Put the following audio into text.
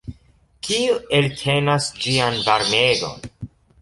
Kiu eltenas ĝian varmegon?